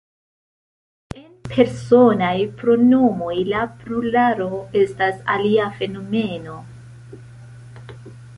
En Personaj pronomoj, la pluralo estas alia fenomeno.